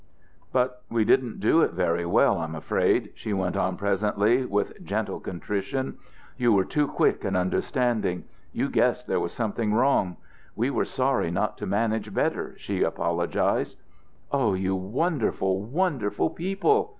"But we didn't do it very well, I'm afraid," she went on presently, with gentle contrition. "You were too quick and understanding; you guessed there was something wrong. We were sorry not to manage better," she apologized. "Oh, you wonderful, wonderful people!"